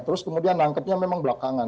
terus kemudian nangkepnya memang belakangan